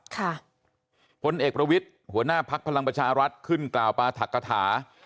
พลเอกประวิทย์หัวหน้าพักพลังประชารัฐขึ้นกล่าวปราถักกฐา